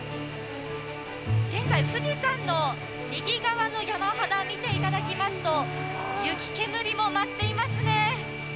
現在、富士山の右側の山肌を見ていただきますと雪煙も舞っていますね。